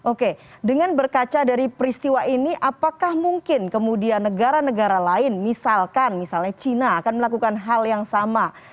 oke dengan berkaca dari peristiwa ini apakah mungkin kemudian negara negara lain misalkan misalnya china akan melakukan hal yang sama